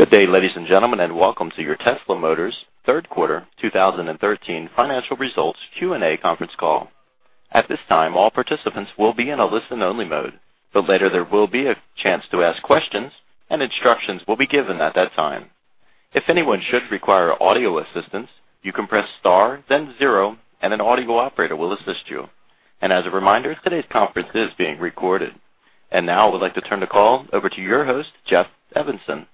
Good day, ladies and gentlemen, and welcome to your Tesla Motors third quarter 2013 financial results Q&A conference call. At this time, all participants will be in a listen-only mode, but later there will be a chance to ask questions and instructions will be given at that time. If anyone should require audio assistance, you can press star, then zero, and an audio operator will assist you. As a reminder, today's conference is being recorded. Now I would like to turn the call over to your host, Jeff Evanson.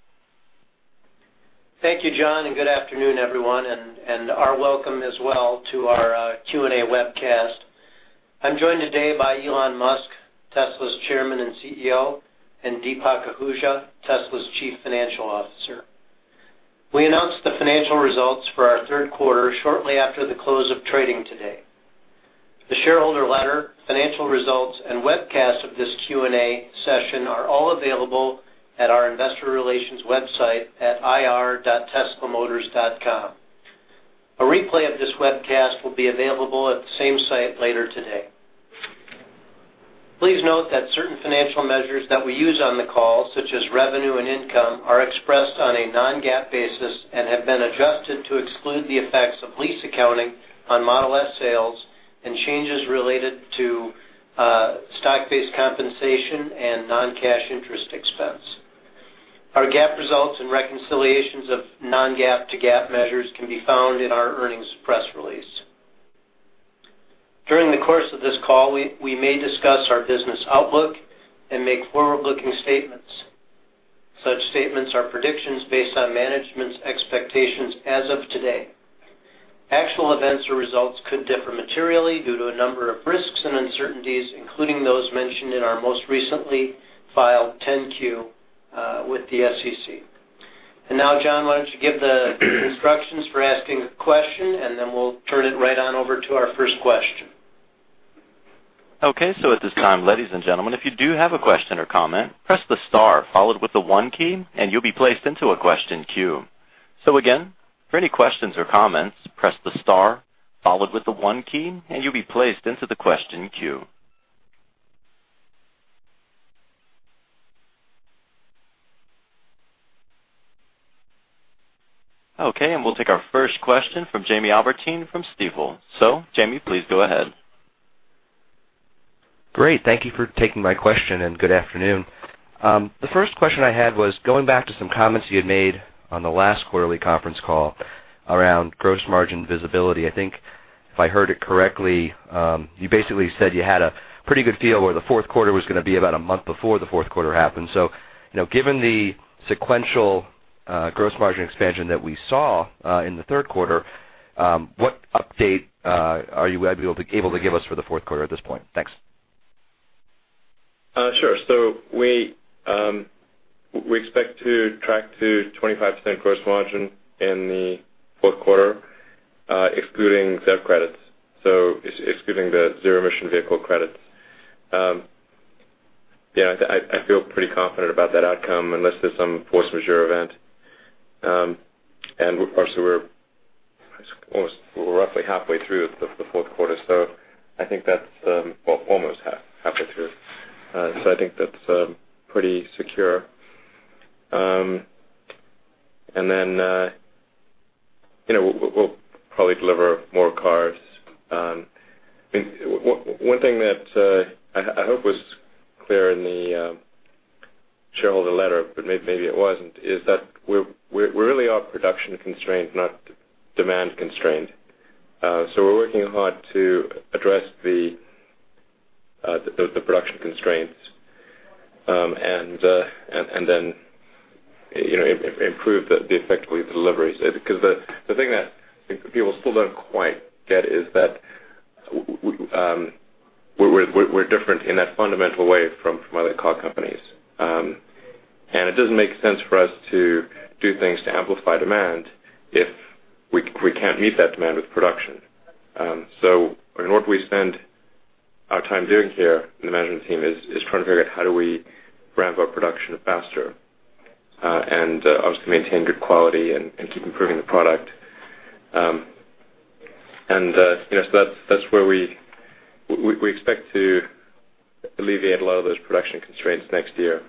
Thank you, John, and good afternoon, everyone, and our welcome as well to our Q&A webcast. I'm joined today by Elon Musk, Tesla's Chairman and CEO, and Deepak Ahuja, Tesla's Chief Financial Officer. We announced the financial results for our third quarter shortly after the close of trading today. The shareholder letter, financial results, and webcast of this Q&A session are all available at our investor relations website at ir.teslamotors.com. A replay of this webcast will be available at the same site later today. Please note that certain financial measures that we use on the call, such as revenue and income, are expressed on a non-GAAP basis and have been adjusted to exclude the effects of lease accounting on Model S sales and changes related to stock-based compensation and non-cash interest expense. Our GAAP results and reconciliations of non-GAAP to GAAP measures can be found in our earnings press release. During the course of this call, we may discuss our business outlook and make forward-looking statements. Such statements are predictions based on management's expectations as of today. Actual events or results could differ materially due to a number of risks and uncertainties, including those mentioned in our most recently filed 10-Q with the SEC. Now, John, why don't you give the instructions for asking a question, we'll turn it right on over to our first question. Okay. At this time, ladies and gentlemen, if you do have a question or comment, press the star followed with the one key and you'll be placed into a question queue. Again, for any questions or comments, press the star followed with the one key, and you'll be placed into the question queue. Okay, we'll take our first question from James Albertine from Stifel. Jamie, please go ahead. Great. Thank you for taking my question, and good afternoon. The first question I had was going back to some comments you had made on the last quarterly conference call around gross margin visibility. I think if I heard it correctly, you basically said you had a pretty good feel where the fourth quarter was going to be about a month before the fourth quarter happened. Given the sequential gross margin expansion that we saw in the third quarter, what update are you able to give us for the fourth quarter at this point? Thanks. Sure. We expect to track to 25% gross margin in the fourth quarter excluding ZEV credits, so excluding the zero-emission vehicle credits. Yeah, I feel pretty confident about that outcome unless there's some force majeure event. Of course, we're almost roughly halfway through the fourth quarter. Almost halfway through. I think that's pretty secure. Then we'll probably deliver more cars. One thing that I hope was clear in the shareholder letter, but maybe it wasn't, is that we really are production-constrained, not demand-constrained. We're working hard to address the production constraints, and then improve the effect of the deliveries. Because the thing that people still don't quite get is that we're different in that fundamental way from other car companies. It doesn't make sense for us to do things to amplify demand if we can't meet that demand with production. What we spend our time doing here in the management team is trying to figure out how do we ramp up production faster and obviously maintain good quality and keep improving the product. That's where we expect to alleviate a lot of those production constraints next year.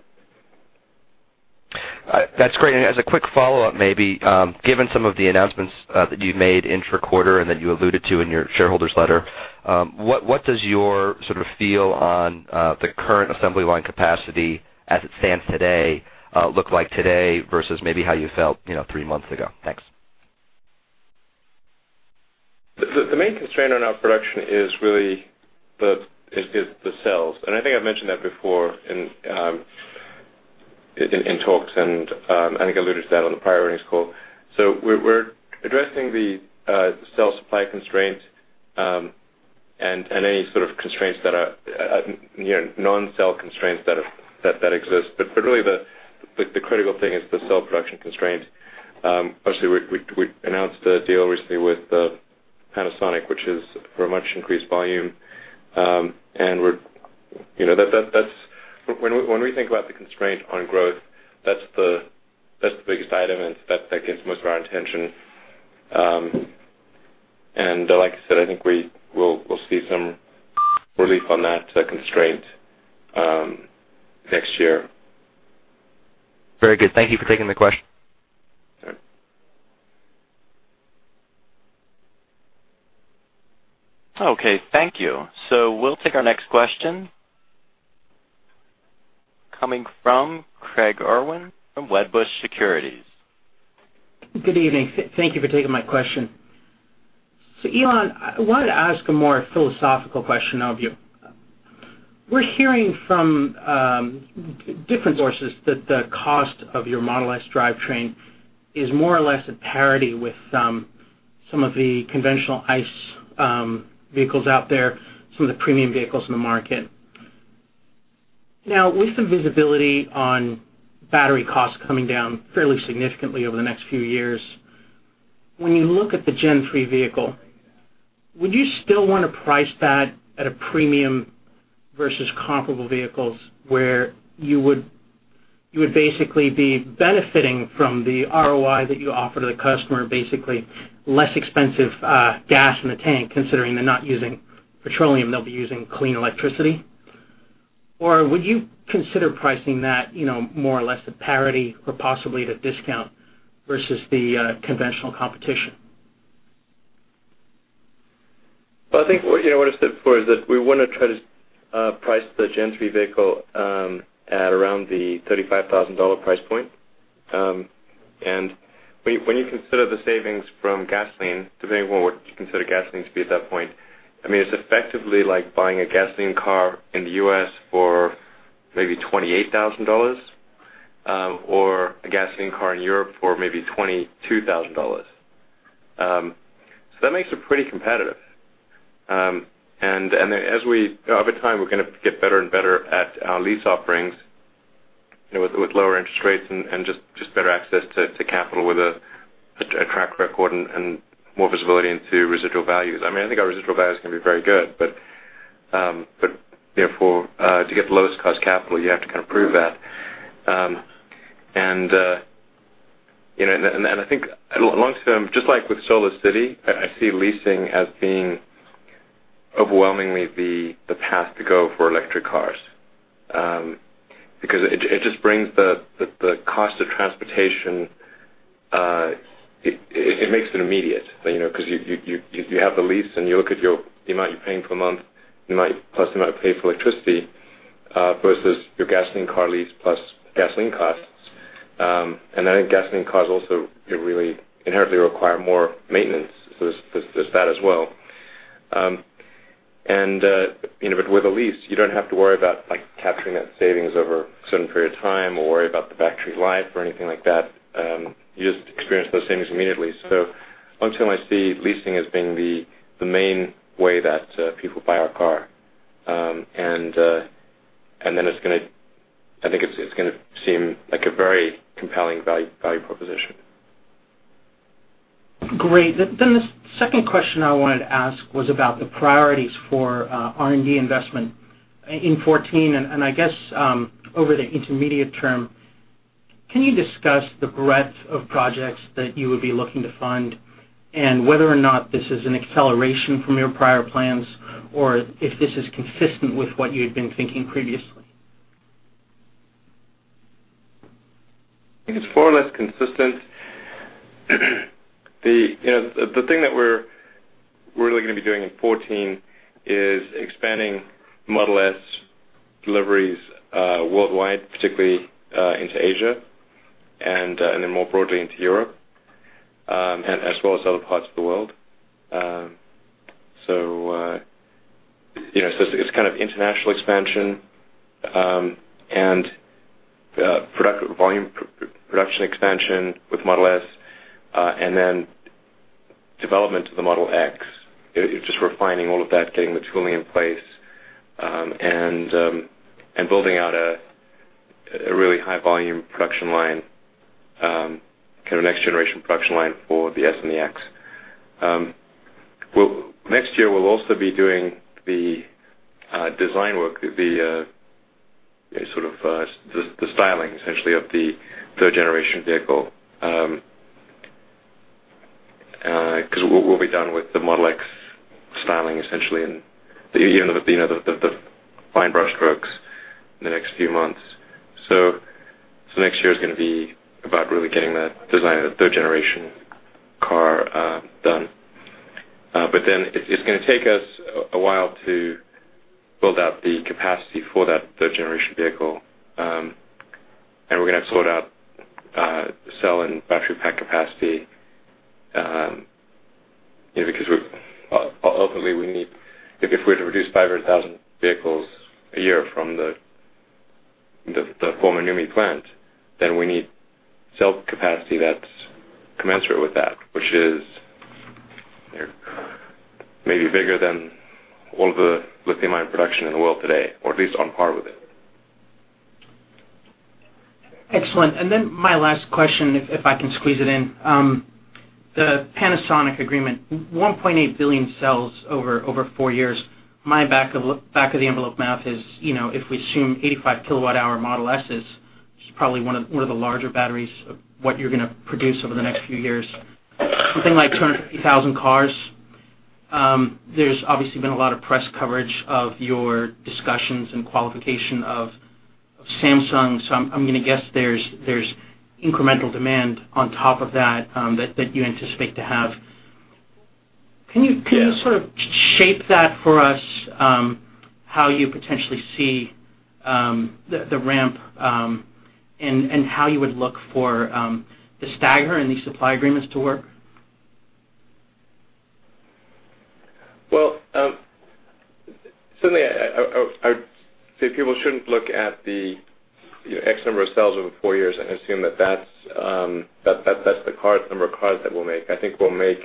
That's great. As a quick follow-up, maybe, given some of the announcements that you've made intra-quarter and that you alluded to in your shareholders letter, what does your sort of feel on the current assembly line capacity as it stands today look like today versus maybe how you felt three months ago? Thanks. The main constraint on our production is really the cells, and I think I've mentioned that before in talks, and I think I alluded to that on the prior earnings call. We're addressing the cell supply constraint, and any sort of non-cell constraints that exist. Really the critical thing is the cell production constraint. Obviously, we announced a deal recently with Panasonic, which is for a much-increased volume. When we think about the constraint on growth, that's the biggest item, and that gets most of our attention. Like I said, I think we'll see some relief on that constraint next year. Very good. Thank you for taking the question. Sure. Okay, thank you. We'll take our next question coming from Craig Irwin from Wedbush Securities. Good evening. Thank you for taking my question. Elon, I wanted to ask a more philosophical question of you. We're hearing from different sources that the cost of your Model S drivetrain is more or less at parity with some of the conventional ICE vehicles out there, some of the premium vehicles in the market. Now, with some visibility on battery costs coming down fairly significantly over the next few years, when you look at the Model 3 vehicle, would you still want to price that at a premium versus comparable vehicles where you would basically be benefiting from the ROI that you offer to the customer, basically less expensive gas in the tank, considering they're not using petroleum, they'll be using clean electricity? Would you consider pricing that more or less at parity or possibly at a discount versus the conventional competition? I think what I said before is that we want to try to price the Model 3 vehicle at around the $35,000 price point. When you consider the savings from gasoline, depending on what you consider gasoline to be at that point, it's effectively like buying a gasoline car in the U.S. for maybe $28,000, or a gasoline car in Europe for maybe $22,000. That makes it pretty competitive. As we, over time, we're going to get better and better at our lease offerings, with lower interest rates and just better access to capital with a track record and more visibility into residual values. I think our residual values can be very good, therefore, to get the lowest-cost capital, you have to kind of prove that. I think long-term, just like with SolarCity, I see leasing as being overwhelmingly the path to go for electric cars, because it just brings the cost of transportation, it makes it immediate. Because you have the lease and you look at the amount you're paying per month, plus the amount you pay for electricity, versus your gasoline car lease plus gasoline costs. I think gasoline cars also inherently require more maintenance. There's that as well. With a lease, you don't have to worry about capturing that savings over a certain period of time or worry about the battery life or anything like that. You just experience those savings immediately. Long-term, I see leasing as being the main way that people buy our car. I think it's going to seem like a very compelling value proposition. Great. The second question I wanted to ask was about the priorities for R&D investment in 2014, and I guess, over the intermediate term. Can you discuss the breadth of projects that you would be looking to fund and whether or not this is an acceleration from your prior plans, or if this is consistent with what you'd been thinking previously? I think it's far less consistent. The thing that we're really going to be doing in 2014 is expanding Model S deliveries worldwide, particularly into Asia, more broadly into Europe, as well as other parts of the world. It's kind of international expansion, production expansion with Model S, development of the Model X. Just refining all of that, getting the tooling in place, building out a really high-volume production line, kind of next-generation production line for the S and the X. Next year, we'll also be doing the design work, the styling, essentially, of the third-generation vehicle. Because we'll be done with the Model X styling, essentially, even the fine brushstrokes in the next few months. Next year is going to be about really getting that design of the third-generation car done. It's going to take us a while to build out the capacity for that third-generation vehicle. We're going to have to sort out the cell and battery pack capacity, because ultimately, if we're to produce 500,000 vehicles a year from the former NUMMI plant, we need cell capacity that's commensurate with that. Which is maybe bigger than all the lithium-ion production in the world today, or at least on par with it. Excellent. My last question, if I can squeeze it in. The Panasonic agreement, 1.8 billion cells over four years. My back-of-the-envelope math is, if we assume 85 kilowatt-hour Model S's It's probably one of the larger batteries of what you're going to produce over the next few years. Something like 250,000 cars. There's obviously been a lot of press coverage of your discussions and qualification of Samsung. I'm going to guess there's incremental demand on top of that you anticipate to have. Yeah. Can you sort of shape that for us, how you potentially see the ramp, and how you would look for the stagger in these supply agreements to work? Certainly, I would say people shouldn't look at the X number of cells over four years and assume that that's the number of cars that we'll make. I think we'll make,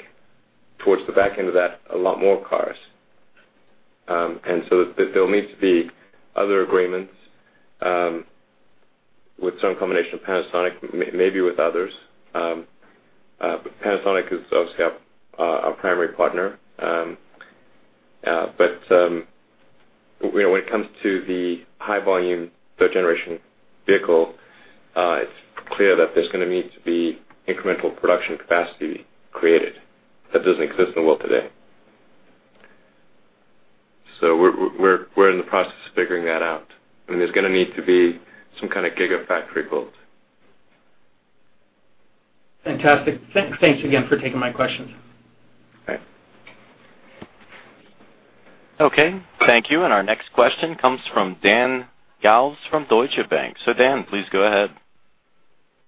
towards the back end of that, a lot more cars. There'll need to be other agreements with some combination of Panasonic, maybe with others. Panasonic is obviously our primary partner. When it comes to the high volume, third-generation vehicle, it's clear that there's going to need to be incremental production capacity created that doesn't exist in the world today. We're in the process of figuring that out, and there's going to need to be some kind of Gigafactory built. Fantastic. Thanks again for taking my question. Okay. Okay, thank you. Our next question comes from Dan Galves from Deutsche Bank. Dan, please go ahead.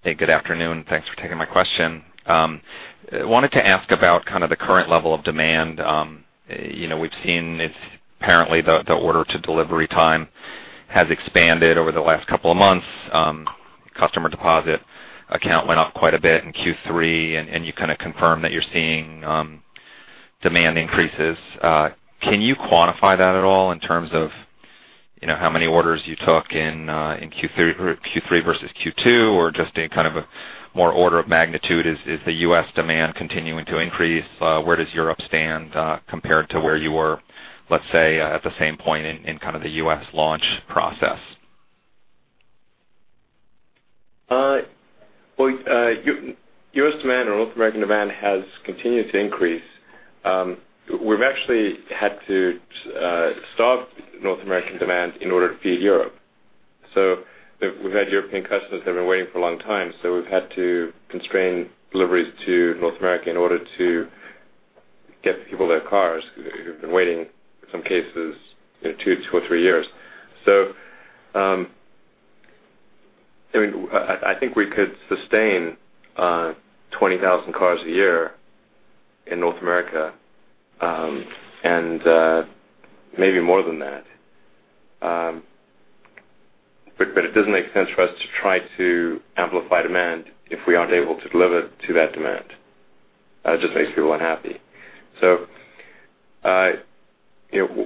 Hey, good afternoon. Thanks for taking my question. Wanted to ask about kind of the current level of demand. We've seen it, apparently, the order to delivery time has expanded over the last couple of months. Customer deposit account went up quite a bit in Q3, you kind of confirmed that you're seeing demand increases. Can you quantify that at all in terms of how many orders you took in Q3 versus Q2 or just in kind of a more order of magnitude? Is the U.S. demand continuing to increase? Where does Europe stand, compared to where you were, let's say, at the same point in kind of the U.S. launch process? Well, U.S. demand or North American demand has continued to increase. We've actually had to stop North American demand in order to feed Europe. We've had European customers that have been waiting for a long time, so we've had to constrain deliveries to North America in order to get people their cars who have been waiting, in some cases, two or three years. I think we could sustain 20,000 cars a year in North America, and maybe more than that. It doesn't make sense for us to try to amplify demand if we aren't able to deliver to that demand. That just makes people unhappy.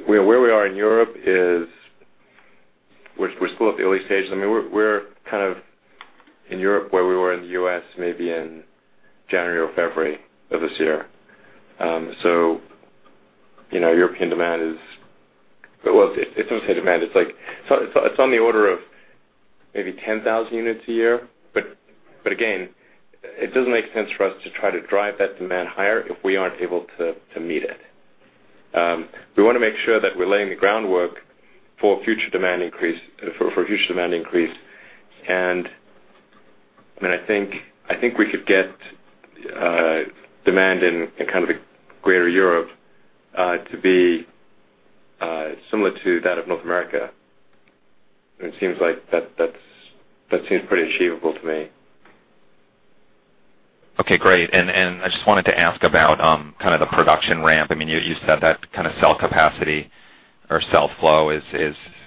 Where we are in Europe is we're still at the early stages. We're kind of in Europe where we were in the U.S. maybe in January or February of this year. European demand is, well, I wouldn't say demand. It's on the order of maybe 10,000 units a year. Again, it doesn't make sense for us to try to drive that demand higher if we aren't able to meet it. We want to make sure that we're laying the groundwork for future demand increase. I think we could get demand in kind of the greater Europe to be similar to that of North America. That seems pretty achievable to me. Okay, great. I just wanted to ask about kind of the production ramp. You said that cell capacity or cell flow is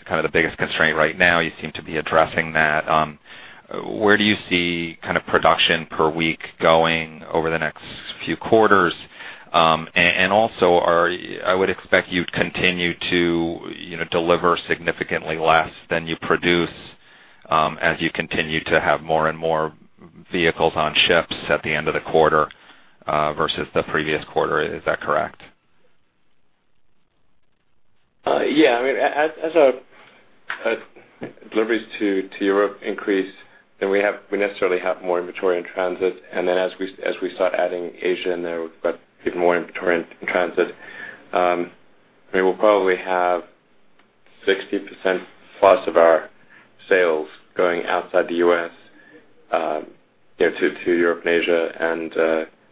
kind of the biggest constraint right now. You seem to be addressing that. Where do you see production per week going over the next few quarters? Also, I would expect you'd continue to deliver significantly less than you produce, as you continue to have more and more vehicles on ships at the end of the quarter versus the previous quarter. Is that correct? Yeah. As our deliveries to Europe increase, then we necessarily have more inventory in transit. As we start adding Asia in there, we've got even more inventory in transit. We'll probably have 60%+ of our sales going outside the U.S., to Europe and Asia and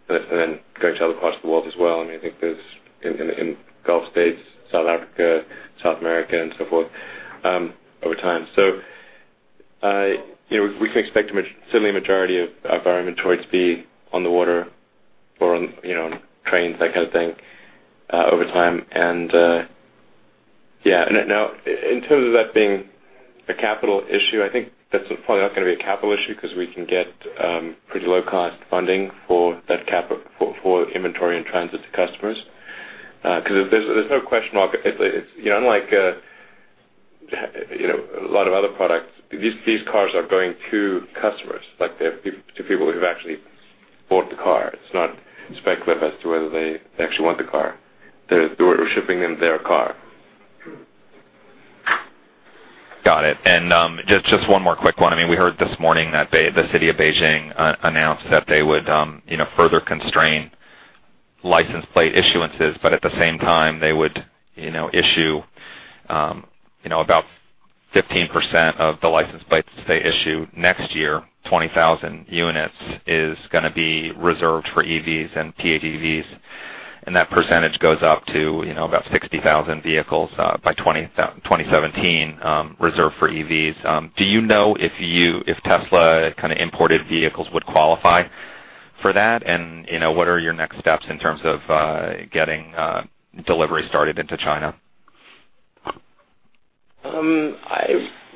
then going to other parts of the world as well. I think there's, in Gulf states, South Africa, South America and so forth, over time. We can expect certainly a majority of our inventory to be on the water or on trains, that kind of thing, over time. Now in terms of that being a capital issue, I think that's probably not going to be a capital issue because we can get pretty low-cost funding for inventory and transit to customers. Because there's no question mark. Unlike a lot of other products, these cars are going to customers, to people who have actually bought the car. It's not speculative as to whether they actually want the car. We're shipping them their car. Got it. Just one more quick one. We heard this morning that the city of Beijing announced that they would further constrain license plate issuances, but at the same time, they would issue about 15% of the license plates they issue next year, 20,000 units, is going to be reserved for EVs and PHEVs. That percentage goes up to about 60,000 vehicles by 2017 reserved for EVs. Do you know if Tesla imported vehicles would qualify for that? What are your next steps in terms of getting delivery started into China?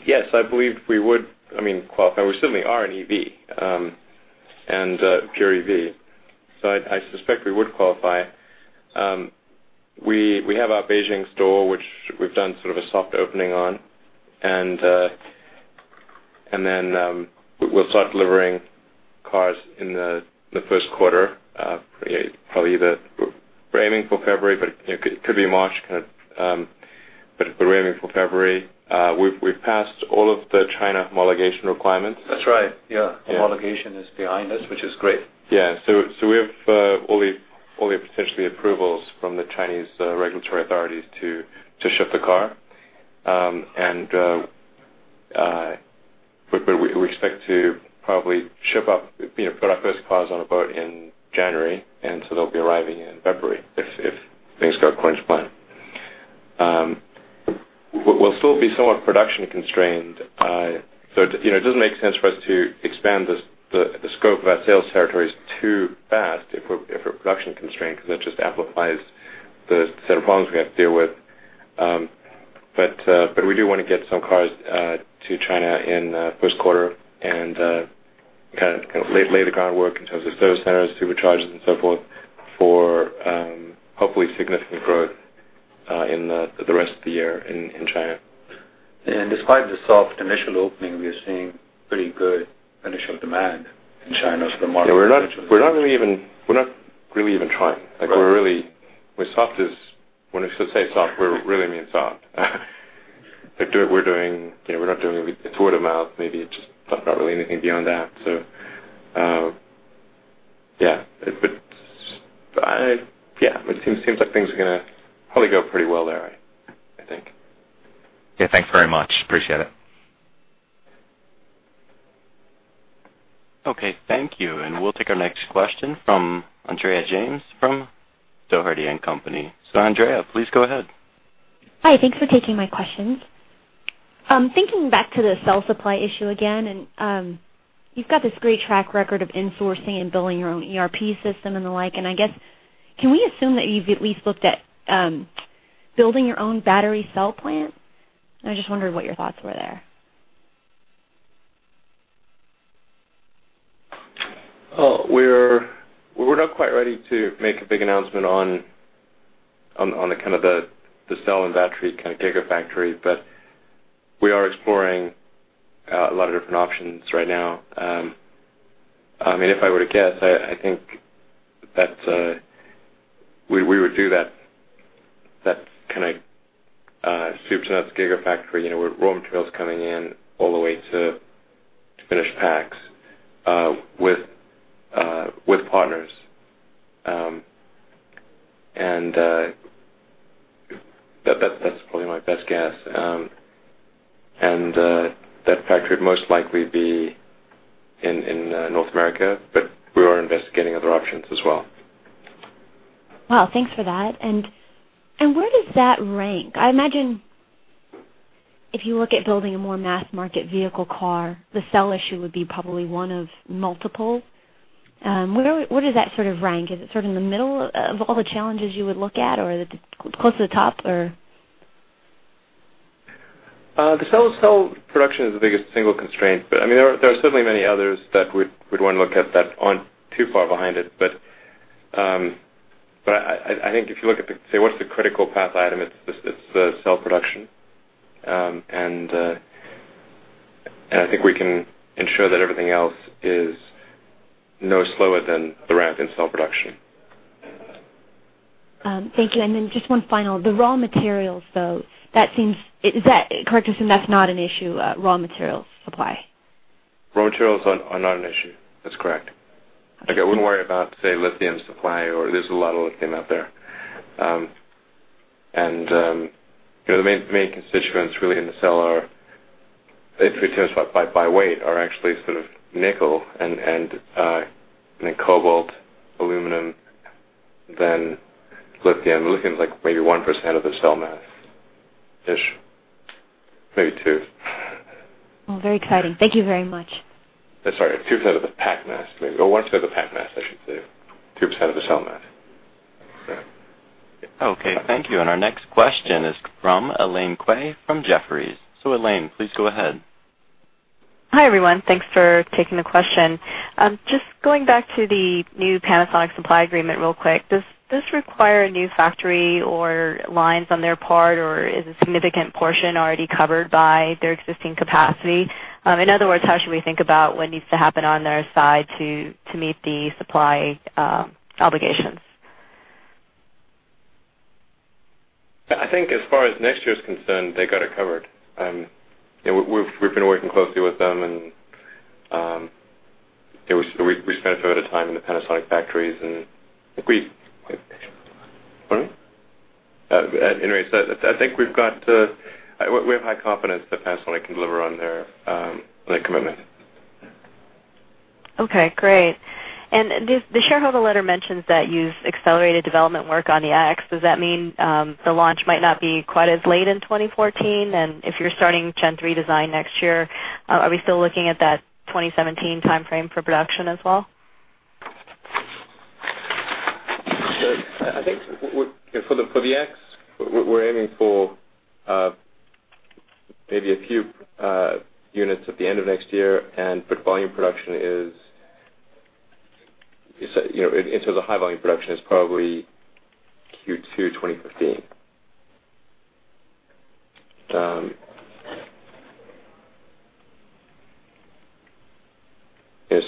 Yes, I believe we would qualify. We certainly are an EV, a pure EV. I suspect we would qualify. We have our Beijing store, which we've done sort of a soft opening on, then we'll start delivering cars in the first quarter, probably. We're aiming for February, but it could be March. We're aiming for February. We've passed all of the China homologation requirements. That's right, yeah. Yeah. Homologation is behind us, which is great. We have all the potential approvals from the Chinese regulatory authorities to ship the car. We expect to probably put our first cars on a boat in January, they'll be arriving in February if things go according to plan. We'll still be somewhat production constrained. It doesn't make sense for us to expand the scope of our sales territories too fast if we're production constrained, because that just amplifies the set of problems we have to deal with. We do want to get some cars to China in the first quarter and lay the groundwork in terms of service centers, Superchargers, and so forth for hopefully significant growth in the rest of the year in China. Despite the soft initial opening, we are seeing pretty good initial demand in China for the Model- Yeah, we're not really even trying. Right. When I say soft, we really mean soft. It's word of mouth, maybe. It's just not really anything beyond that. Yeah. It seems like things are going to probably go pretty well there, I think. Yeah. Thanks very much. Appreciate it. Thank you. We'll take our next question from Andrea James from Dougherty & Company. Andrea, please go ahead. Hi. Thanks for taking my questions. Thinking back to the cell supply issue again, and you've got this great track record of insourcing and building your own ERP system and the like, I guess, can we assume that you've at least looked at building your own battery cell plant? I'm just wondering what your thoughts were there. We're not quite ready to make a big announcement on the cell and battery kind of Gigafactory, but we are exploring a lot of different options right now. If I were to guess, I think that we would do that kind of super nuts Gigafactory, with raw materials coming in all the way to finished packs, with partners. That's probably my best guess. That factory would most likely be in North America, but we are investigating other options as well. Wow, thanks for that. Where does that rank? I imagine if you look at building a more mass-market vehicle car, the cell issue would be probably one of multiple. Where does that sort of rank? Is it sort of in the middle of all the challenges you would look at, or close to the top, or? The cell production is the biggest single constraint, but there are certainly many others that we'd want to look at that aren't too far behind it. I think if you look at, say, what's the critical path item, it's the cell production. I think we can ensure that everything else is no slower than the ramp in cell production. Thank you. Just one final. The raw materials, though, correct me if that's not an issue, raw materials supply. Raw materials are not an issue. That's correct. Okay. I wouldn't worry about, say, lithium supply or there's a lot of lithium out there. The main constituents really in the cell are, if we test by weight, are actually sort of nickel and then cobalt, aluminum, then lithium. Lithium's maybe 1% of the cell mass-ish. Well, very exciting. Thank you very much. Sorry, 2% of the pack mass maybe, or 1% of the pack mass, I should say, 2% of the cell mass. Okay, thank you. Our next question is from Elaine Kwei from Jefferies. Elaine, please go ahead. Hi, everyone. Thanks for taking the question. Just going back to the new Panasonic supply agreement real quick, does this require a new factory or lines on their part, or is a significant portion already covered by their existing capacity? In other words, how should we think about what needs to happen on their side to meet the supply obligations? I think as far as next year is concerned, they got it covered. We've been working closely with them, we spent a fair bit of time in the Panasonic factories. Pardon me? I think we have high confidence that Panasonic can deliver on their commitment. Okay, great. The shareholder letter mentions that you've accelerated development work on the X. Does that mean the launch might not be quite as late in 2014? If you're starting Gen 3 design next year, are we still looking at that 2017 timeframe for production as well? I think for the X, we're aiming for maybe a few units at the end of next year. For volume production, into the high-volume production is probably Q2 2015.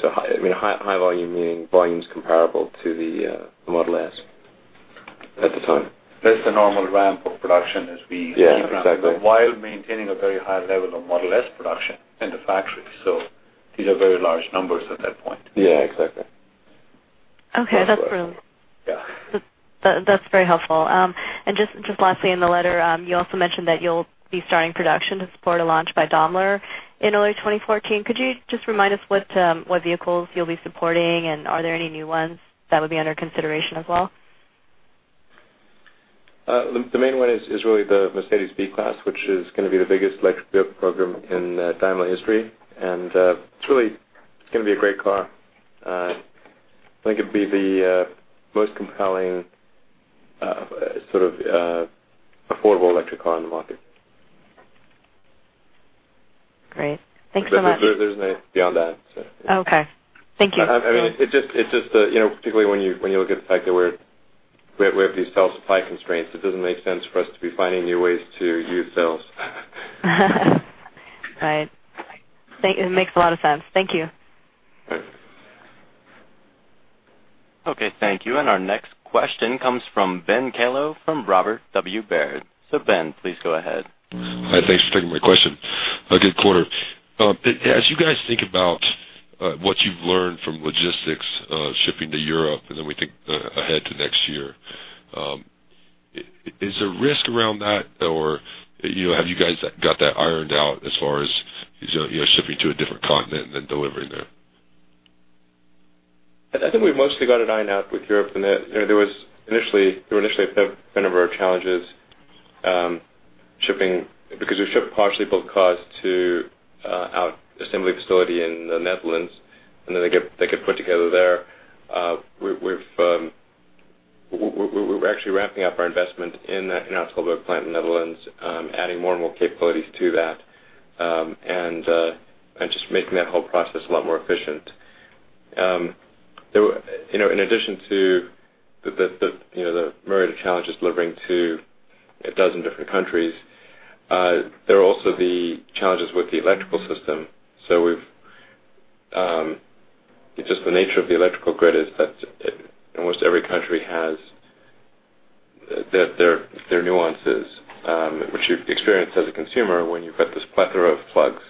High volume meaning volume's comparable to the Model S at the time. That's the normal ramp of production as. Yeah, exactly. while maintaining a very high level of Model S production in the factory. These are very large numbers at that point. Yeah, exactly. Okay, that's really. Yeah. That's very helpful. Just lastly, in the letter, you also mentioned that you'll be starting production to support a launch by Daimler in early 2014. Could you just remind us what vehicles you'll be supporting, and are there any new ones that would be under consideration as well? The main one is really the Mercedes-Benz B-Class, which is going to be the biggest electric vehicle program in Daimler history. It's really going to be a great car. I think it'd be the most compelling sort of affordable electric car on the market. Great. Thanks so much. There's beyond that. Okay. Thank you. It's just particularly when you look at the fact that we have these cell supply constraints, it doesn't make sense for us to be finding new ways to use cells. Right. It makes a lot of sense. Thank you. Okay. Okay, thank you. Our next question comes from Ben Kallo from Robert W. Baird. Ben, please go ahead. Hi. Thanks for taking my question. A good quarter. As you guys think about what you've learned from logistics, shipping to Europe, and then we think ahead to next year, is there risk around that or have you guys got that ironed out as far as shipping to a different continent and then delivering there? I think we've mostly got it ironed out with Europe in that there were initially a number of challenges shipping, because we ship partially built cars to our assembly facility in the Netherlands, and then they get put together there. We're actually ramping up our investment in that Tilburg plant in the Netherlands, adding more and more capabilities to that, and just making that whole process a lot more efficient. In addition to the myriad of challenges delivering to a dozen different countries, there are also the challenges with the electrical system. It's just the nature of the electrical grid is that almost every country has their nuances, which you experience as a consumer when you've got this plethora of plugs.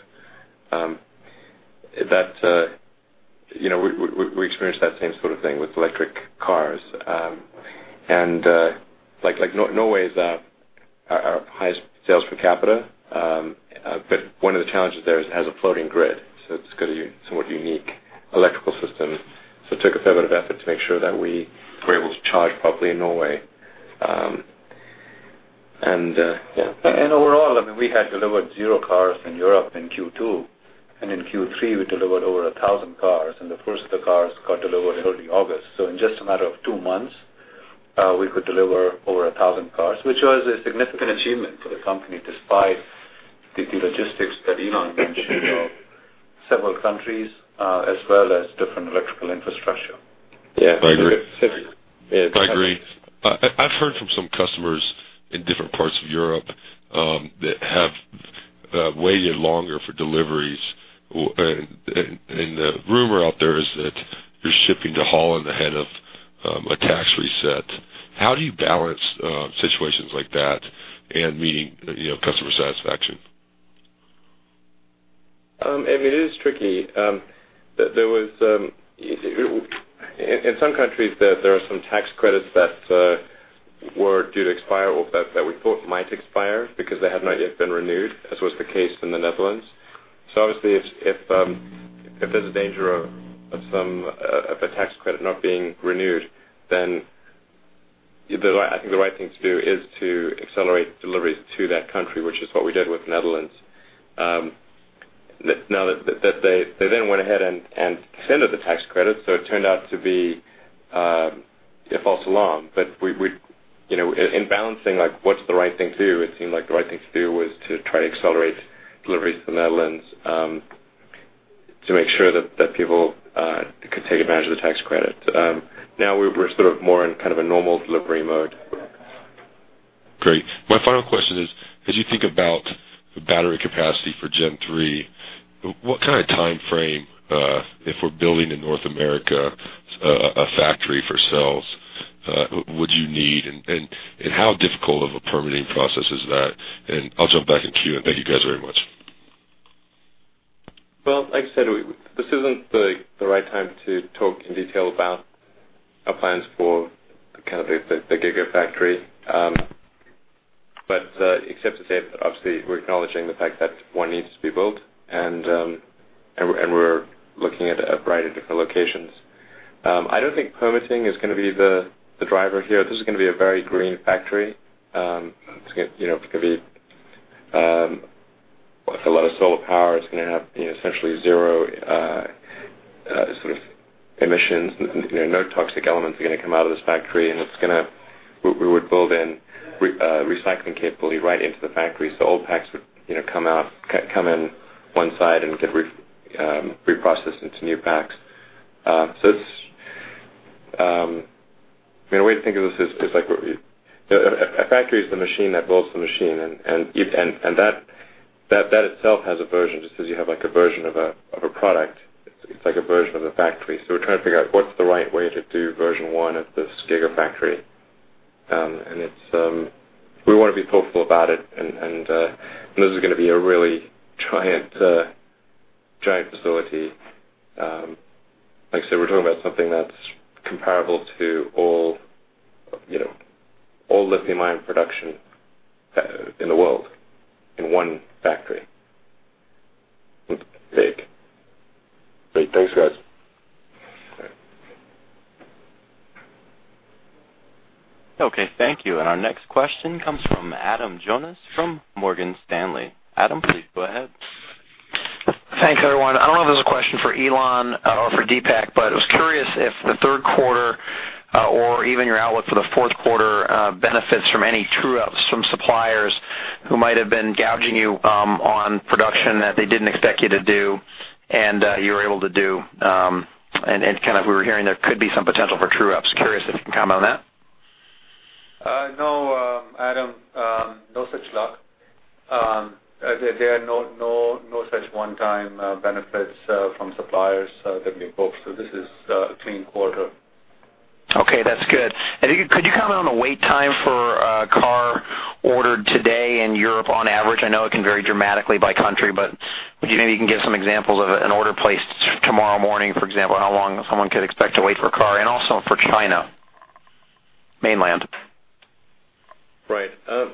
We experienced that same sort of thing with electric cars. Norway is our highest sales per capita. One of the challenges there is it has a floating grid, so it's got a somewhat unique electrical system. It took a fair bit of effort to make sure that we were able to charge properly in Norway. Yeah. Overall, we had delivered zero cars in Europe in Q2, and in Q3, we delivered over 1,000 cars, and the first of the cars got delivered early August. In just a matter of two months, we could deliver over 1,000 cars, which was a significant achievement for the company despite the logistics that Elon mentioned of several countries, as well as different electrical infrastructure. Yeah. I agree. I've heard from some customers in different parts of Europe, that have waited longer for deliveries. The rumor out there is that you're shipping to Holland ahead of a tax reset. How do you balance situations like that and meeting customer satisfaction? It is tricky. In some countries, there are some tax credits that were due to expire or that we thought might expire because they had not yet been renewed, as was the case in the Netherlands. Obviously, if there's a danger of a tax credit not being renewed, then I think the right thing to do is to accelerate deliveries to that country, which is what we did with the Netherlands. They then went ahead and extended the tax credit, so it turned out to be a false alarm. In balancing, what's the right thing to do, it seemed like the right thing to do was to try to accelerate deliveries to the Netherlands, to make sure that people could take advantage of the tax credit. Now we're sort of more in kind of a normal delivery mode. Great. My final question is: as you think about the battery capacity for Gen3. What kind of timeframe, if we're building in North America, a factory for cells would you need? How difficult of a permitting process is that? I'll jump back in queue, and thank you guys very much. Well, like I said, this isn't the right time to talk in detail about our plans for the Gigafactory. Except to say that obviously we're acknowledging the fact that one needs to be built, and we're looking at a variety of different locations. I don't think permitting is going to be the driver here. This is going to be a very green factory. It's going to have a lot of solar power. It's going to have essentially zero emissions. No toxic elements are going to come out of this factory. We would build in recycling capability right into the factory. Old packs would come in one side and get reprocessed into new packs. The way to think of this is, a factory is the machine that builds the machine. That itself has a version. Just as you have a version of a product, it's like a version of a factory. We're trying to figure out what's the right way to do version one of this Gigafactory. We want to be thoughtful about it, and this is going to be a really giant facility. Like I said, we're talking about something that's comparable to all lithium-ion production in the world in one factory. It's big. Great. Thanks, guys. Okay, thank you. Our next question comes from Adam Jonas from Morgan Stanley. Adam, please go ahead. Thanks, everyone. I was curious if the third quarter or even your outlook for the fourth quarter benefits from any true-ups from suppliers who might have been gouging you on production that they didn't expect you to do and you were able to do. We were hearing there could be some potential for true-ups. Curious if you can comment on that. No, Adam, no such luck. There are no such one-time benefits from suppliers that we hoped. This is a clean quarter. Okay, that's good. Could you comment on the wait time for a car ordered today in Europe on average? I know it can vary dramatically by country, but maybe you can give some examples of an order placed tomorrow morning, for example, how long someone could expect to wait for a car and also for China, mainland. Right.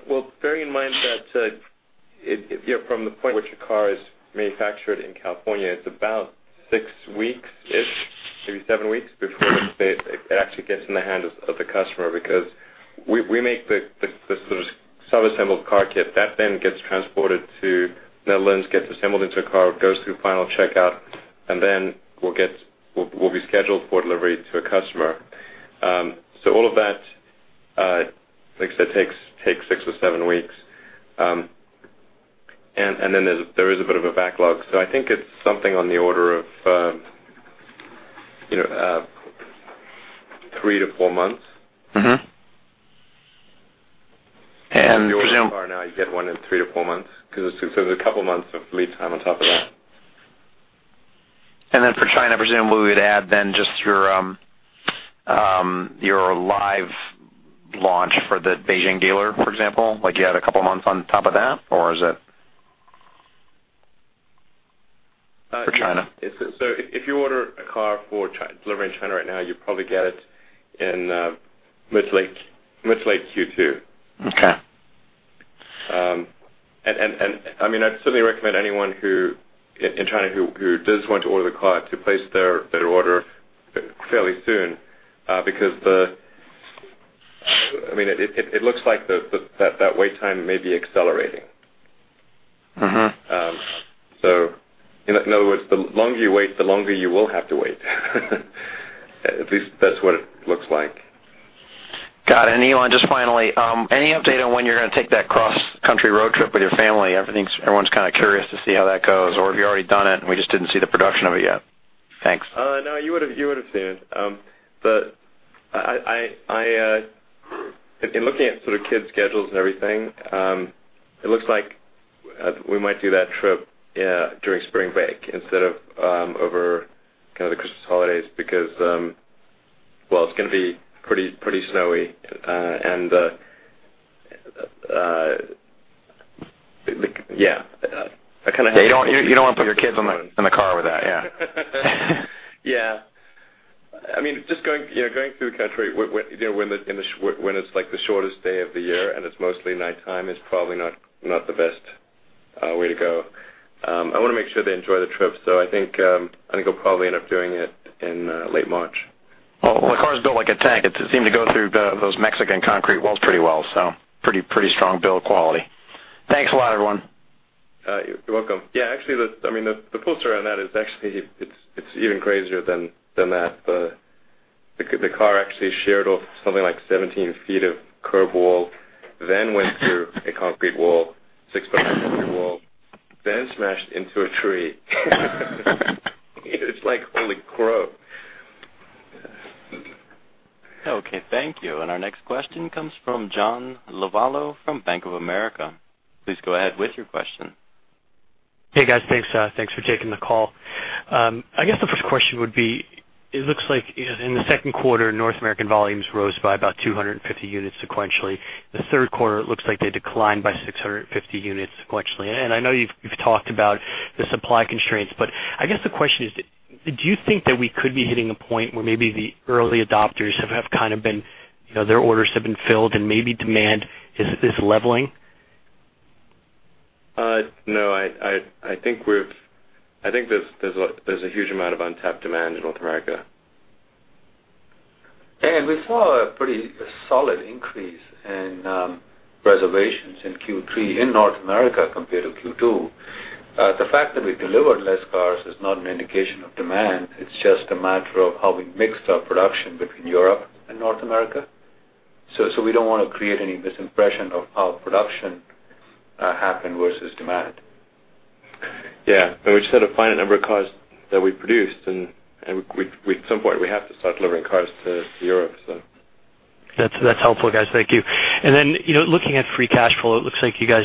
Well, bearing in mind that from the point which a car is manufactured in California, it's about six weeks-ish, maybe seven weeks before it actually gets in the hands of the customer. Because we make the sort of sub-assembled car kit that then gets transported to Netherlands, gets assembled into a car, goes through final checkout, and then will be scheduled for delivery to a customer. All of that, like I said, takes six or seven weeks. Then there is a bit of a backlog. I think it's something on the order of three to four months. Mm-hmm. If you order a car now, you get one in three to four months because there's a couple of months of lead time on top of that. For China, presumably you'd add then just your live launch for the Beijing dealer, for example, like you had a couple of months on top of that, or is it for China? If you order a car for delivery in China right now, you'll probably get it in much like Q2. Okay. I'd certainly recommend anyone in China who does want to order the car to place their order fairly soon, because it looks like that wait time may be accelerating. In other words, the longer you wait, the longer you will have to wait. At least that's what it looks like. Got it. Elon, just finally, any update on when you're going to take that cross-country road trip with your family? Everyone's kind of curious to see how that goes, or have you already done it and we just didn't see the production of it yet? Thanks. No, you would've seen it. In looking at sort of kids' schedules and everything, it looks like we might do that trip during spring break instead of over the Christmas holidays because, well, it's going to be pretty snowy and, yeah. You don't want to put your kids in the car with that, yeah. Yeah. Just going through the country when it's the shortest day of the year and it's mostly nighttime is probably not the best way to go. I want to make sure they enjoy the trip, I think I'll probably end up doing it in late March. Well, the car's built like a tank. It seemed to go through those Mexican concrete walls pretty well, pretty strong build quality. Thanks a lot, everyone. You're welcome. Yeah, actually, the full story on that is actually it's even crazier than that. The car actually sheared off something like 17 feet of curb wall, went through a concrete wall, six-foot-thick concrete wall, smashed into a tree. It's like, holy crow. Okay, thank you. Our next question comes from John Lovallo from Bank of America. Please go ahead with your question. Hey, guys. Thanks for taking the call. I guess the first question would be, it looks like in the second quarter, North American volumes rose by about 250 units sequentially. The third quarter, it looks like they declined by 650 units sequentially. I know you've talked about the supply constraints, but I guess the question is, do you think that we could be hitting a point where maybe the early adopters, their orders have been filled, and maybe demand is leveling? No, I think there's a huge amount of untapped demand in North America. We saw a pretty solid increase in reservations in Q3 in North America compared to Q2. The fact that we delivered less cars is not an indication of demand. It's just a matter of how we mixed our production between Europe and North America. We don't want to create any misimpression of how production happened versus demand. Yeah. We set a finite number of cars that we produced, at some point, we have to start delivering cars to Europe. That's helpful, guys. Thank you. Looking at free cash flow, it looks like you guys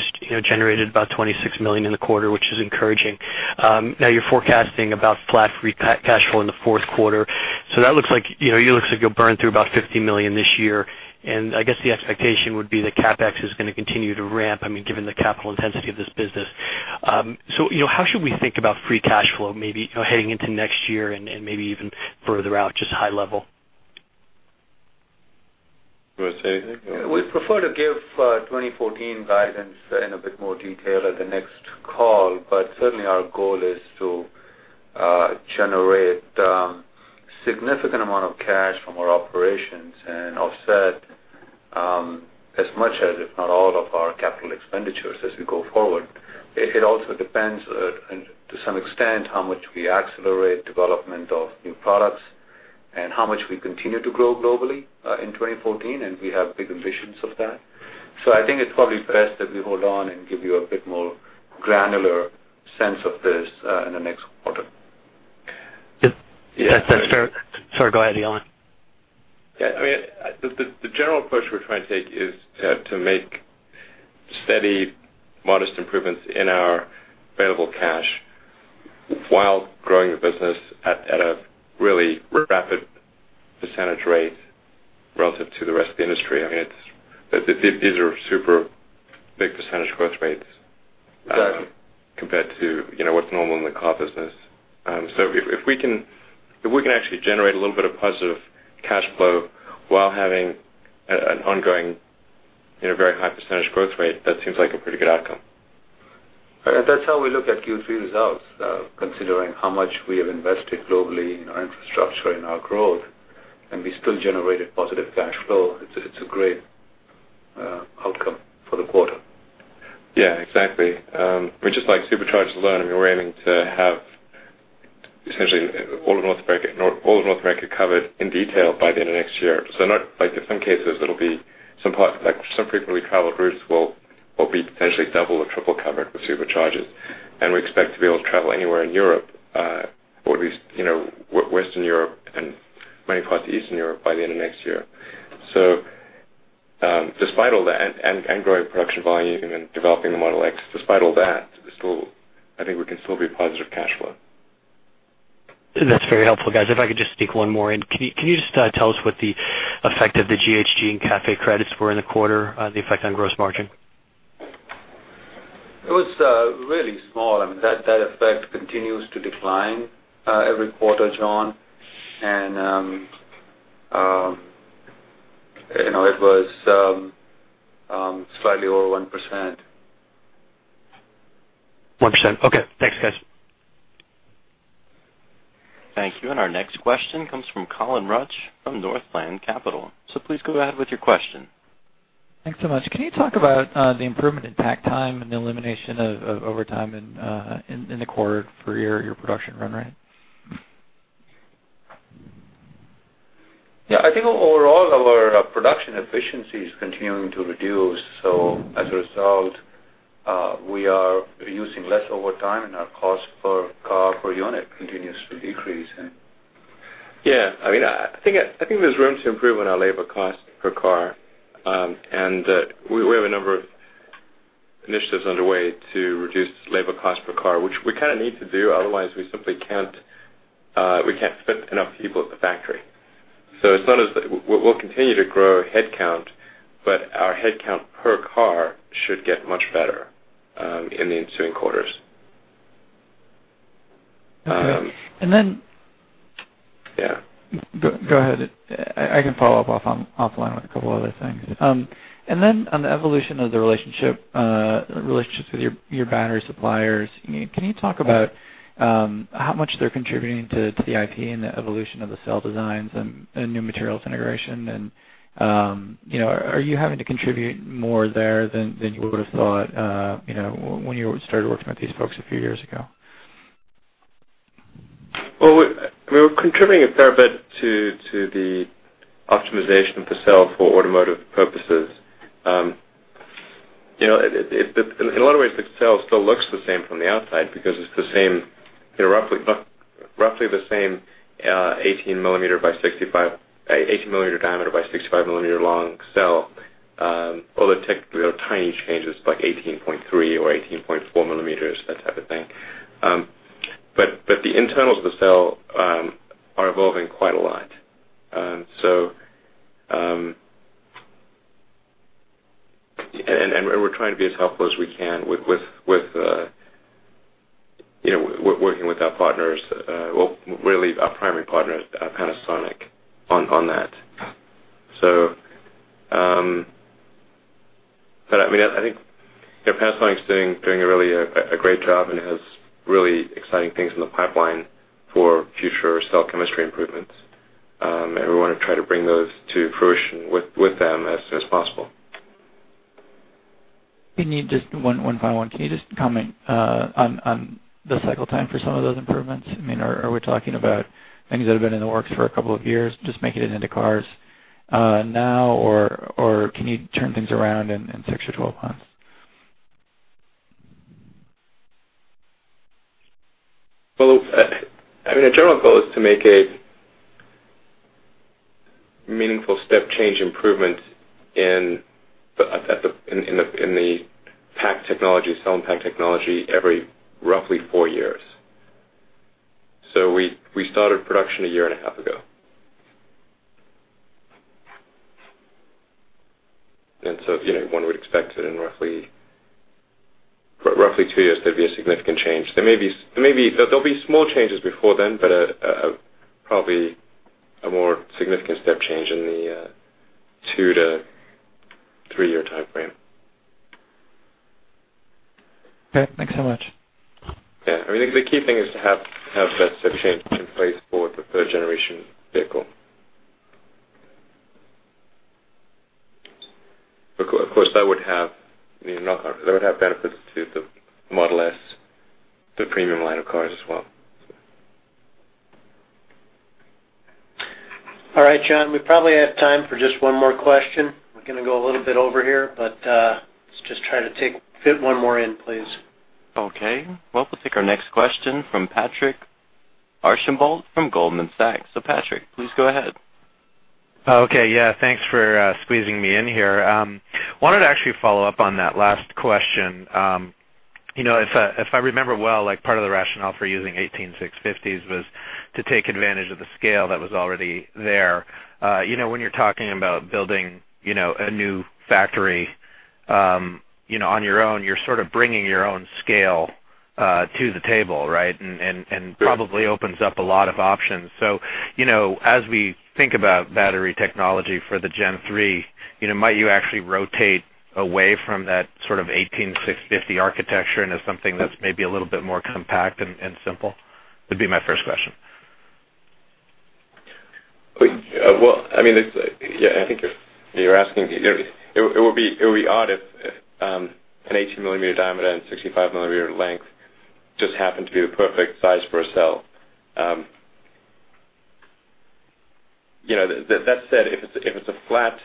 generated about $26 million in the quarter, which is encouraging. Now you're forecasting about flat free cash flow in the fourth quarter. It looks like you'll burn through about $50 million this year. I guess the expectation would be that CapEx is going to continue to ramp, given the capital intensity of this business. How should we think about free cash flow maybe heading into next year and maybe even further out, just high level? You want to say anything? We'd prefer to give 2014 guidance in a bit more detail at the next call, certainly our goal is to generate significant amount of cash from our operations and offset as much as, if not all of our capital expenditures as we go forward. It also depends, to some extent, how much we accelerate development of new products and how much we continue to grow globally in 2014, we have big ambitions of that. I think it's probably best that we hold on and give you a bit more granular sense of this in the next quarter. That's fair. Sorry, go ahead, Elon. The general approach we're trying to take is to make steady, modest improvements in our available cash while growing the business at a really rapid percentage rate relative to the rest of the industry. These are super big percentage growth rates. Exactly Compared to what's normal in the car business. If we can actually generate a little bit of positive cash flow while having an ongoing, very high percentage growth rate, that seems like a pretty good outcome. That's how we look at Q3 results, considering how much we have invested globally in our infrastructure, in our growth, and we still generated positive cash flow. It's a great outcome for the quarter. Yeah, exactly. Just like Superchargers alone, we're aiming to have essentially all of North America covered in detail by the end of next year. In some cases some frequently traveled routes will be potentially double or triple covered with Superchargers, and we expect to be able to travel anywhere in Europe, or at least Western Europe and many parts of Eastern Europe by the end of next year. Despite all that, and growing production volume and developing the Model X, despite all that, I think we can still be positive cash flow. That's very helpful, guys. If I could just sneak one more in. Can you just tell us what the effect of the GHG and CAFE credits were in the quarter, the effect on gross margin? It was really small. That effect continues to decline every quarter, John. It was slightly over 1%. 1%. Okay, thanks, guys. Thank you. Our next question comes from Colin Rusch from Northland Capital. Please go ahead with your question. Thanks so much. Can you talk about the improvement in takt time and the elimination of overtime in the quarter for your production run rate? Yeah, I think overall, our production efficiency is continuing to reduce. As a result, we are using less overtime and our cost per car, per unit continues to decrease. Yeah. I think there's room to improve on our labor cost per car. We have a number of initiatives underway to reduce labor cost per car, which we kind of need to do. Otherwise, we can't fit enough people at the factory. We'll continue to grow headcount, but our headcount per car should get much better in the ensuing quarters. Okay. Yeah. Go ahead. I can follow up offline with a couple of other things. On the evolution of the relationships with your battery suppliers, can you talk about how much they're contributing to the IP and the evolution of the cell designs and new materials integration? Are you having to contribute more there than you would've thought when you started working with these folks a few years ago? Well, we're contributing a fair bit to the optimization of the cell for automotive purposes. In a lot of ways, the cell still looks the same from the outside because it's roughly the same 18-millimeter diameter by 65-millimeter long cell. Although technically they're tiny changes, like 18.3 or 18.4 millimeters, that type of thing. The internals of the cell are evolving quite a lot. We're trying to be as helpful as we can working with our partners, well, really our primary partner is Panasonic, on that. I think Panasonic's doing really a great job and has really exciting things in the pipeline for future cell chemistry improvements. We want to try to bring those to fruition with them as soon as possible. Just one final one. Can you just comment on the cycle time for some of those improvements? Are we talking about things that have been in the works for a couple of years, just making it into cars now, or can you turn things around in six or 12 months? Our general goal is to make a meaningful step change improvement in the cell and pack technology every roughly 4 years. We started production a year and a half ago. One would expect it in roughly 2 years, there'd be a significant change. There'll be small changes before then, but probably a more significant step change in the 2- to 3-year timeframe. Okay, thanks so much. Yeah. The key thing is to have that step change in place for the third-generation vehicle. Of course, that would have benefits to the Model S, the premium line of cars as well. All right, John, we probably have time for just one more question. We're going to go a little bit over here, but let's just try to fit one more in, please. Okay. Well, we'll take our next question from Patrick Archambault from Goldman Sachs. Patrick, please go ahead. Okay. Yeah, thanks for squeezing me in here. Wanted to actually follow up on that last question. If I remember well, part of the rationale for using 18650s was to take advantage of the scale that was already there. When you're talking about building a new factory on your own, you're sort of bringing your own scale to the table, right? Sure. Probably opens up a lot of options. As we think about battery technology for the Gen3, might you actually rotate away from that 18650 architecture into something that's maybe a little bit more compact and simple? Would be my first question. It would be odd if an 18-millimeter diameter and 65-millimeter length just happened to be the perfect size for a cell. That said, if it's a flat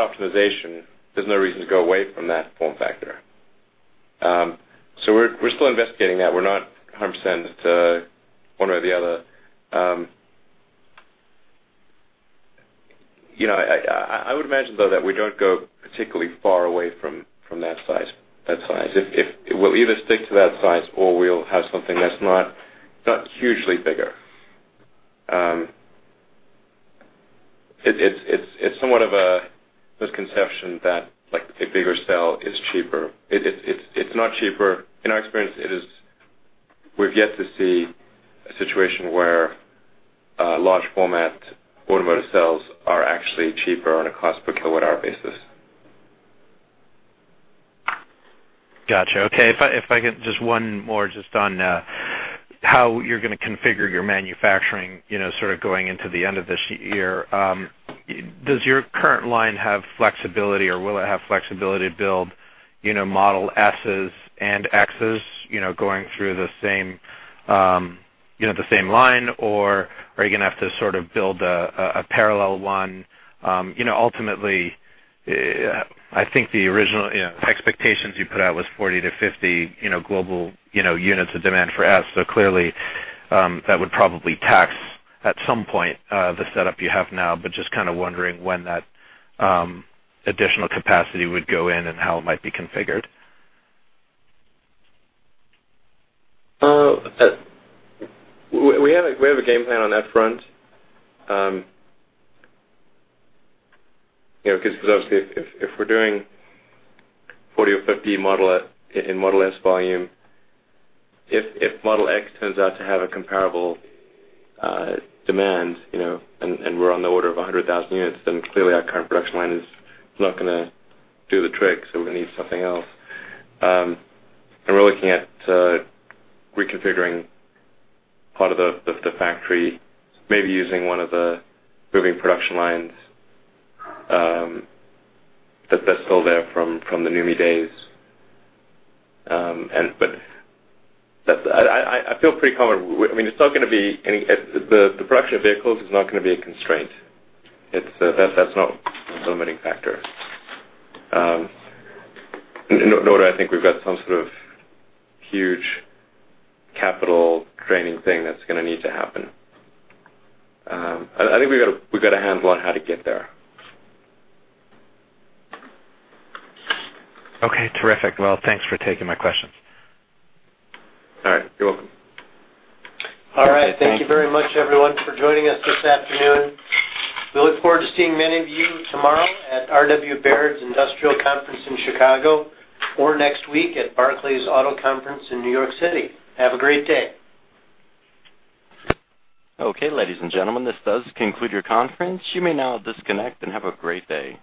optimization, there's no reason to go away from that form factor. We're still investigating that. We're not 100% one way or the other. I would imagine, though, that we don't go particularly far away from that size. We'll either stick to that size or we'll have something that's not hugely bigger. It's somewhat of a misconception that a bigger cell is cheaper. It's not cheaper. In our experience, we've yet to see a situation where large format automotive cells are actually cheaper on a cost per kilowatt-hour basis. Got you. Okay. If I get just one more just on how you're going to configure your manufacturing, sort of going into the end of this year. Does your current line have flexibility, or will it have flexibility to build Model S's and X's going through the same line, or are you going to have to sort of build a parallel one? Ultimately, I think the original expectations you put out was 40-50 global units of demand for S. Clearly, that would probably tax, at some point, the setup you have now, but just kind of wondering when that additional capacity would go in and how it might be configured. We have a game plan on that front. Obviously if we're doing 40 or 50 in Model S volume, if Model X turns out to have a comparable demand, and we're on the order of 100,000 units, clearly our current production line is not going to do the trick, we're going to need something else. We're looking at reconfiguring part of the factory, maybe using one of the moving production lines that's still there from the NUMMI days. I feel pretty confident. The production of vehicles is not going to be a constraint. That's not a limiting factor. Nor do I think we've got some sort of huge capital draining thing that's going to need to happen. I think we've got a handle on how to get there. Okay, terrific. Well, thanks for taking my questions. All right, you're welcome. All right. Thank you very much, everyone, for joining us this afternoon. We look forward to seeing many of you tomorrow at RW Baird's Industrial Conference in Chicago or next week at Barclays Auto Conference in New York City. Have a great day. Okay, ladies and gentlemen, this does conclude your conference. You may now disconnect, and have a great day.